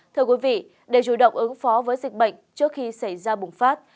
thưa quý vị để chủ động ứng phó với dịch bệnh trước khi xảy ra bùng phát